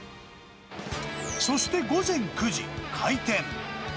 そして午前９時、開店。